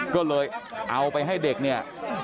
ก็เลยเอาไปให้เด็กเนี่ย